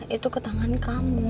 itu ke tangan kamu